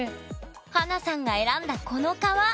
華さんが選んだこの革。